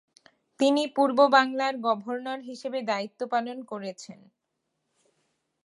তিনি পূর্ব বাংলার গভর্নর হিসেবে দায়িত্বপালন করেছেন।